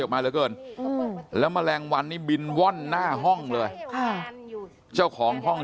มาเหลือเกินแล้วแมลงวันนี่บินว่อนหน้าห้องเลยค่ะเจ้าของห้อง